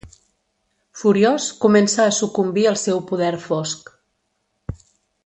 Furiós, comença a sucumbir al seu poder fosc.